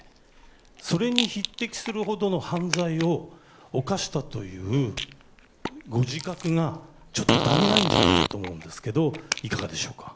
それに匹敵するほどの犯罪を犯したというご自覚がちょっと足りないんじゃないかと思うんですけどいかがでしょうか。